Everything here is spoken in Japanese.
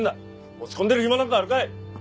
落ち込んでる暇なんかあるかい！